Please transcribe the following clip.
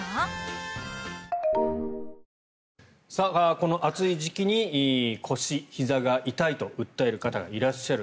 この暑い時期に腰、ひざが痛いと訴える方がいらっしゃる。